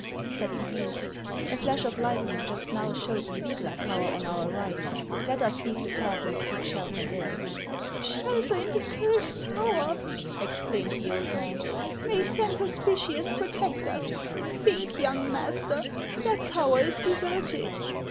said the youth, " a Hash of lightning just now showed me Vygla tower on our right ; let us leave the patli and seek shelter there." " Shelter in the Cursed Tower !" exclaimed the old man ;" may Saint Hospitius protect us ! Think, young master ; that tower is deserted."